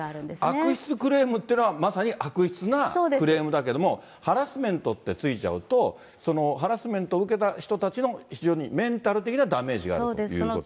悪質クレームというのは、まさに悪質なクレームだけれども、ハラスメントって付いちゃうと、ハラスメントを受けた人たちの、非常にメンタル的なダメージがあるということですね。